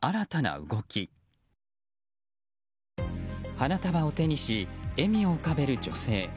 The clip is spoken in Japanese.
花束を手にし笑みを浮かべる女性。